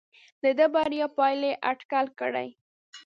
د دې بریا پایلې اټکل کړي.